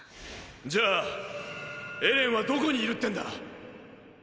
じゃあエレンはどこにいるってんだ？